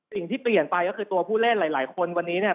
สิ่งที่เปลี่ยนไปก็คือตัวผู้เล่นหลายคนวันนี้เนี่ย